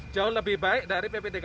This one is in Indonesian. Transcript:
jauh lebih baik dari pp tiga puluh enam